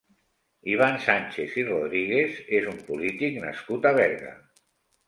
Ivan Sànchez i Rodríguez és un polític nascut a Berga.